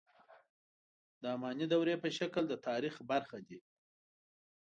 د اماني دورې په شکل د تاریخ برخه دي.